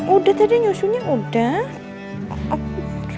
udah tadi nyusu nya udah